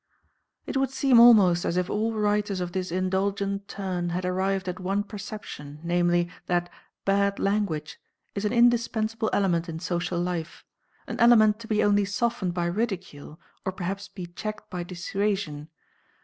" It would seem almost as if all writers of this indulgent turn had arrived at one perception, namely, that "bad language" is an indispensable element in social life, an element to be only softened by ridicule or perhaps be checked by dissuasion.